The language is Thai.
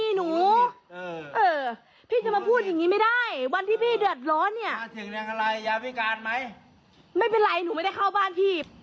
หนูไม่ได้เข้าบ้านพี่